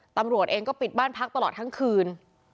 ตำรวจเองก็ปิดบ้านพักตลอดทั้งคืน